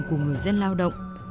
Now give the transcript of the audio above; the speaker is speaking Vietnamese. của người dân lao động